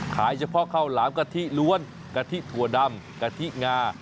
เฉพาะข้าวหลามกะทิล้วนกะทิถั่วดำกะทิงา